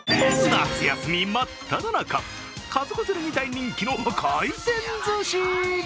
夏休み、まっただ中家族連れに大人気の回転ずし。